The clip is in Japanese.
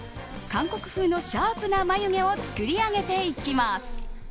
韓国風のシャープな眉毛を作り上げていきます。